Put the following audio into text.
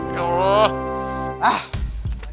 malem lagi ditangani sama dokter